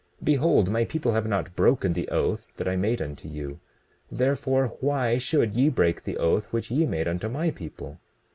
Behold, my people have not broken the oath that I made unto you; therefore, why should ye break the oath which ye made unto my people?